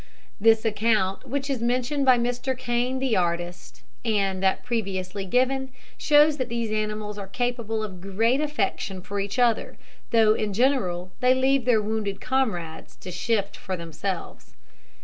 This account, which is mentioned by Mr Kane the artist, and that previously given, show that these animals are capable of great affection for each other, though in general they leave their wounded comrades to shift for themselves.